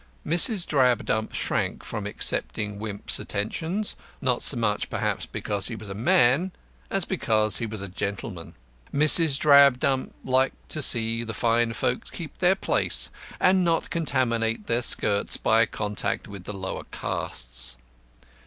Mrs. Drabdump shrank from accepting Wimp's attentions, not so much perhaps because he was a man as because he was a gentleman. Mrs. Drabdump liked to see the fine folks keep their place, and not contaminate their skirts by contact with the lower castes.